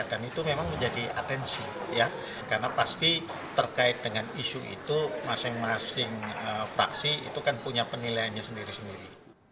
dan itu memang menjadi atensi ya karena pasti terkait dengan isu itu masing masing fraksi itu kan punya penilaiannya sendiri sendiri